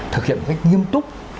thực hiện nghiêm túc